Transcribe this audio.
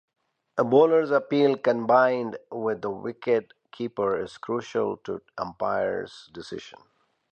A bowler's appeal combined with the wicket keeper is crucial in umpire's decision.